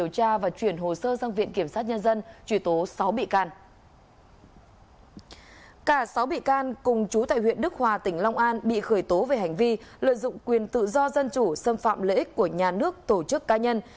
cả sáu bị can cùng chú tại huyện đức hòa tỉnh long an bị khởi tố về hành vi lợi dụng quyền tự do dân chủ xâm phạm lợi ích của nhà nước tổ chức cá nhân